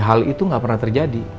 hal itu gak pernah terjadi